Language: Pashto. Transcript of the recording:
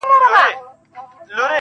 زړه مي را خوري.